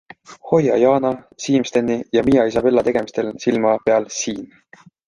Hoia Jana, Siim-Steni ja Mia Isabela tegemistel silma peal SIIN.